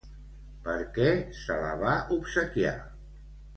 Per què se la va obsequiar?